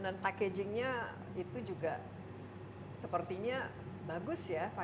dan packagingnya itu juga sepertinya bagus ya